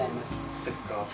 ステッカーと。